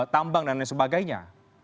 tambang dan lain sebagainya